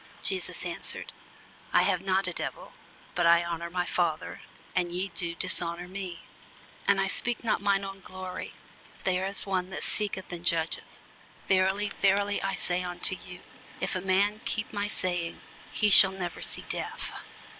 Jesus answered, I have not a devil; but I honour my Father, and ye do dishonour me. And I seek not mine own glory: there is one that seeketh and judgeth. Verily, verily, I say unto you, If a man keep my saying, he shall never see death.